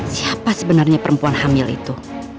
siapa sebenarnya perempuan hamil itu